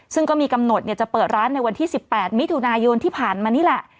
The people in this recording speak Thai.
ซึ่งก็มีกำหนดจะเปิดร้านในวันที่๑๘มิถุนายนที่ผ่านมานี่แหละ